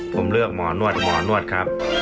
ผมเลือกหมอนวดหมอนวดครับ